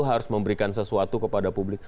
harus memberikan sesuatu kepada publik